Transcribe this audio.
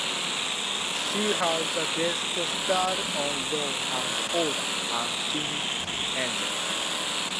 She has guest starred on "Law and Order" and "Teen Angel".